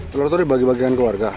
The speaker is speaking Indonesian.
telur telur dibagi bagikan ke warga